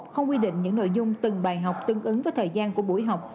không quy định những nội dung từng bài học tương ứng với thời gian của buổi học